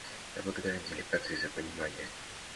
Я благодарю делегации за понимание.